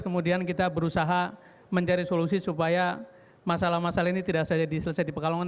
kemudian kita berusaha mencari solusi supaya masalah masalah ini tidak saja diselesai di pekalongan